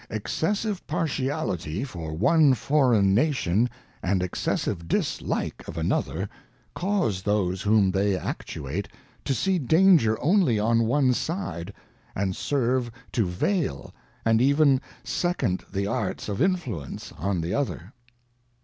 ŌĆö Excessive partiality for one foreign nation and exces sive dislike of another, cause those whom they actuate to see danger only on one side, and serve to veil and even second the arts of influence on the other.